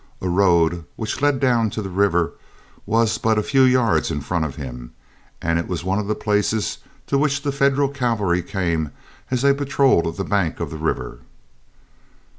A road which led down to the river was but a few yards in front of him, and it was one of the places to which the Federal cavalry came as they patrolled the bank of the river.